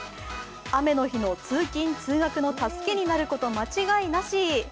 雨の日の通勤・通学の助けになること間違いなし。